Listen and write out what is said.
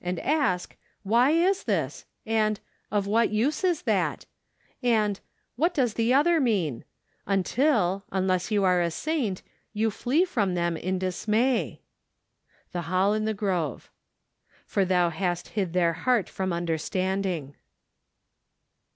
and ask :" Why is this ?" and " Of what use is that ?" and " "What does the other mean ?" until, unless you are a saint, you flee from them in dismay. The Hall in the Grove. " For thou hast hid their heart from understand¬ ing."